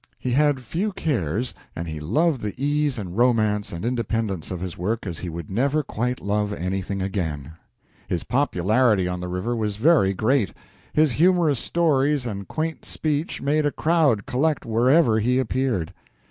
He had few cares, and he loved the ease and romance and independence of his work as he would never quite love anything again. His popularity on the river was very great. His humorous stories and quaint speech made a crowd collect wherever he appeared.